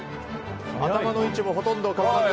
頭の位置もほとんど変わらず。